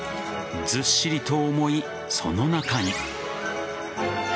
ずっしりと重いその中身。